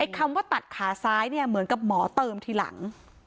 คำว่าตัดขาซ้ายเนี่ยเหมือนกับหมอเติมทีหลัง